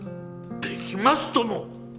できますとも！